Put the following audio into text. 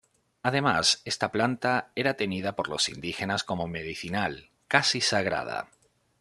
Además, esta planta era tenida por los indígenas como medicinal, casi sagrada.